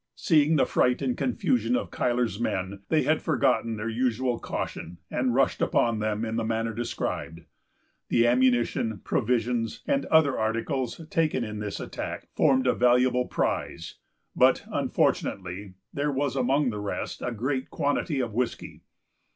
Seeing the fright and confusion of Cuyler's men, they had forgotten their usual caution, and rushed upon them in the manner described. The ammunition, provisions, and other articles, taken in this attack, formed a valuable prize; but, unfortunately, there was, among the rest, a great quantity of whiskey.